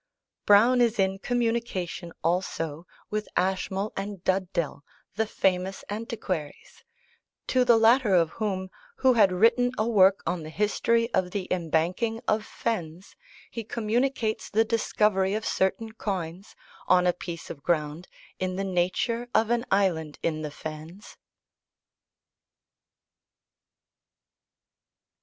Browne is in communication also with Ashmole and Dugdale, the famous antiquaries; to the latter of whom, who had written a work on the history of the embanking of fens, he communicates the discovery of certain coins, on a piece of ground "in the nature of an island in the fens."